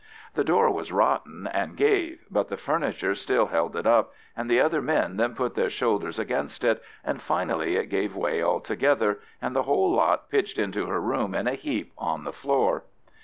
The door was rotten and gave, but the furniture still held it up, and the other men then put their shoulders against it, and finally it gave way altogether, and the whole lot pitched into her room in a heap on the floor.